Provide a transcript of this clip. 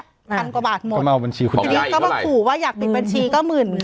พันกว่าบาทหมดก็มาเอาบัญชีของยายอีกเท่าไรทีนี้ก็มาขอว่าอยากปิดบัญชีก็หมื่น